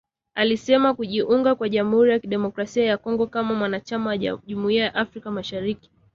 Alisema kujiunga kwa Jamhuri ya Kidemokrasia ya Kongo kama mwanachama wa Jumuiya ya Afrika Mashariki